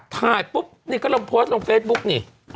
ถ่ายปุ๊บนี่ก็ลงโพสต์ลงเฟซบุ๊กนี่